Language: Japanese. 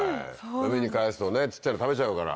海に返すとね小っちゃいの食べちゃうから。